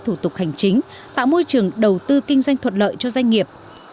thủ tục hành chính tạo môi trường đầu tư kinh doanh thuận lợi cho doanh nghiệp